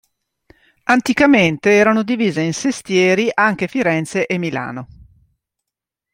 Anticamente erano divise in sestieri anche Firenze e Milano.